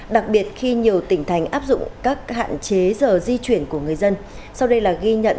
đặc biệt khi nhiều tỉnh thành áp dụng các hạn chế giờ di chuyển của người dân sau đây là ghi nhận